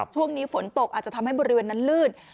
ช่วงนี้ฝนตกอาจจะทำให้บริเวณนั้นลื่น